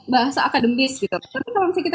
bahasa akademis tapi kalau kita